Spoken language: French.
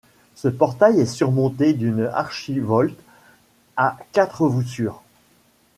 Ce portail est surmonté d'une archivolte à quatre voussures.